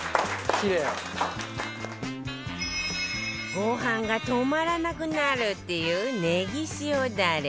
ご飯が止まらなくなるっていうねぎ塩ダレ